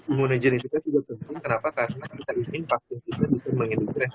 imunisim kita juga penting kenapa karena kita ingin vaksin kita untuk menghidupkan